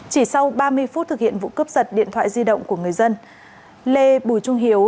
chỉ sau ba mươi phút thực hiện vụ cướp giật điện thoại di động của người dân lê bùi trung hiếu